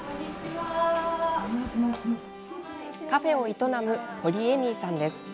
カフェを営む掘エミイさんです。